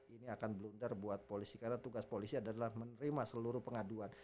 ini akan blunder buat polisi karena tugas polisi adalah menerima seluruh pengaduan